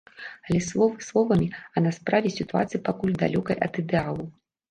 Але словы словамі, а на справе сітуацыя пакуль далёкая ад ідэалу.